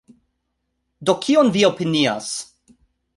Do kion vi opinias?